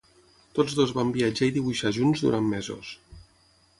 Tots dos van viatjar i dibuixar junts durant mesos.